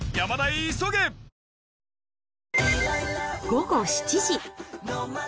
午後７時。